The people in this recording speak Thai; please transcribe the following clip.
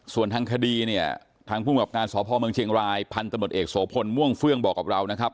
ส่วนทางคดีเนี่ยทางภูมิกับการสพเมืองเชียงรายพันธมตเอกโสพลม่วงเฟื่องบอกกับเรานะครับ